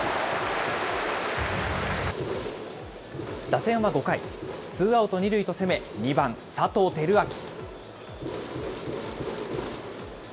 打線は５回、ツーアウト２塁と攻め、２番佐藤輝明。